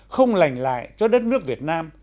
không lành lại cho đất nước việt nam